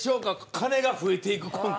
金が増えていくコント。